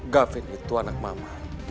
gafin itu anak mama